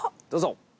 どうぞ。